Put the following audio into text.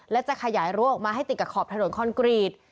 และจะขยายรั้วออกมาให้ติดกับขอบถนนคอนกรีต